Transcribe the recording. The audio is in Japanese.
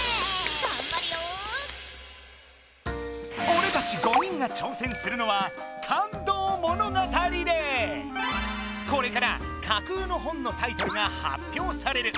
おれたち５人がちょうせんするのはこれからかくうの本のタイトルが発表される。